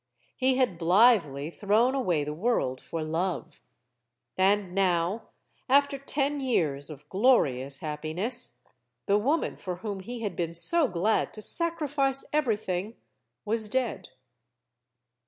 He had blithely thrown away the world for love. And now, after ten years of glorious happiness, the woman for whom he had been so glad to sacrifice everything, was dead.